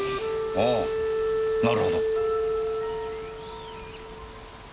ああなるほど。